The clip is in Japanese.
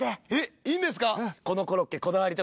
いいんですか？